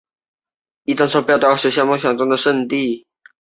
瓦拉市是瑞典西部西约塔兰省的一个自治市。